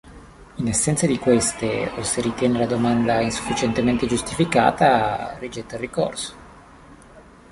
In assenza di queste o se ritiene la domanda insufficientemente giustificata, rigetta il ricorso.